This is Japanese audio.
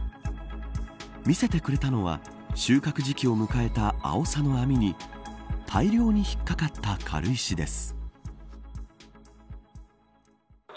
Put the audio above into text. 見せてくれたのは収穫時期を迎えたあおさの網に大量に引っかかった軽石です。